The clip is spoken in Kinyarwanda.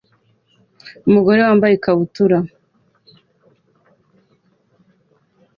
Umugore wambaye ikabutura